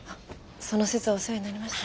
その節はお世話になりました。